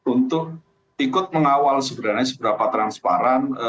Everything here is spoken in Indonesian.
untuk ikut mengawal sebenarnya seberapa transparan